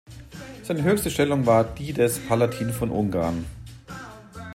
Seine höchste Stellung war die des Palatin von Ungarn.